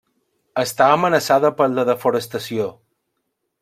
Està amenaçada per la desforestació.